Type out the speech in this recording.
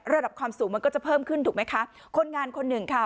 ระดับความสูงมันก็จะเพิ่มขึ้นถูกไหมคะคนงานคนหนึ่งค่ะ